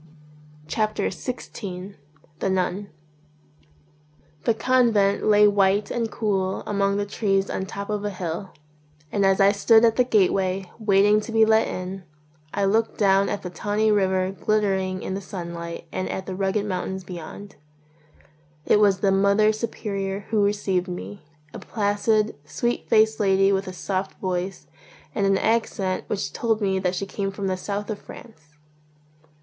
63 XVI THE NUN THE convent lay white and cool among the trees on the top of a hill; and as I stood at the gateway, waiting to be let in, I looked down at the tawny river glittering in the sunlight and at the rugged mountains be yond. It was the Mother Superior who received me, a placid, sweet faced lady with a soft voice and an accent which told me that she came from the South of France.